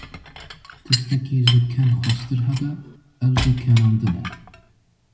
Tiştekî ji ken xweştir hebe ew jî kenandin e.